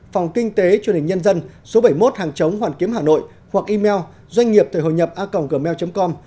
phòng kinh tế chương trình nhân dân số bảy mươi một hàng chống hoàn kiếm hà nội hoặc email doanh nghiệptộihộinhậpa gmail com